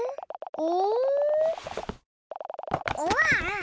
お？